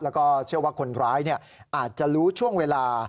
แล้วก็เชื่อว่าคนร้ายอาจจะรู้ช่วงเวลา